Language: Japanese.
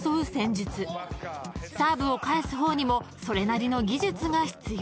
［サーブを返す方にもそれなりの技術が必要］